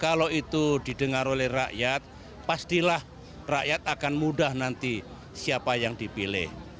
kalau itu didengar oleh rakyat pastilah rakyat akan mudah nanti siapa yang dipilih